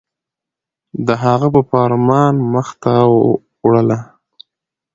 د هغه په فرمان مخ ته وړله